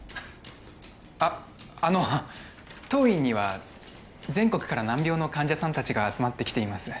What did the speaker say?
ああの当院には全国から難病の患者さん達が集まってきています